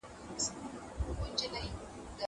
هغه څوک چي لوبي کوي روغ وي.